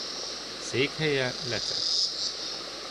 Székhelye Lecce.